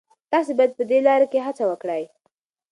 تاسي باید په دې لاره کي هڅه وکړئ.